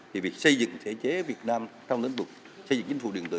thì việc xây dựng thể chế việt nam trong lĩnh vực xây dựng chính phủ điện tử